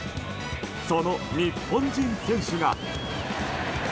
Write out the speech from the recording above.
その日本人選手が。